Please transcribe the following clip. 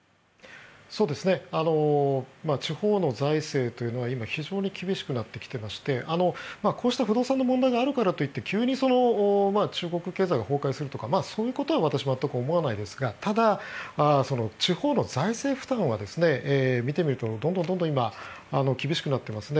地方の財政というのは今、非常に厳しくなってきていましてこうした不動産の問題があるからといって急に中国経済が崩壊するとかそういうことは私全く思わないですがただ、地方の財政負担は見てみるとどんどん今、厳しくなってます。